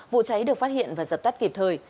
vụ cháy được phát hiện và dập tắt kịp thời